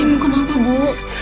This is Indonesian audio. ibu kenapa bu